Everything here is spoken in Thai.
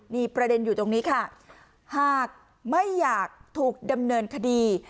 นี่ประเด็นอยู่ตรงนี้ค่ะหากไม่อยากถูกดำเนินคดี